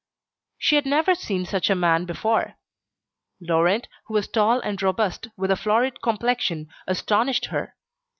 She had never seen such a man before. Laurent, who was tall and robust, with a florid complexion, astonished her.